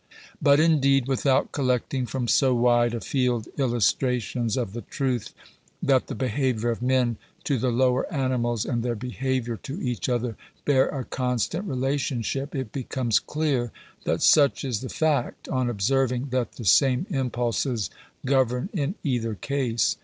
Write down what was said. But, indeed, without collecting from so wide a field, illustra tions of the truth that the behaviour of men to the lower animals and their behaviour to each other, bear a constant relationship, it becomes clear that such is the fact, on observing that the same impulses govern in either case.